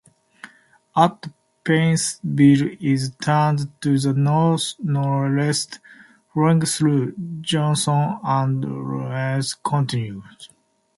At Paintsville it turns to the north-northeast, flowing through Johnson and Lawrence counties.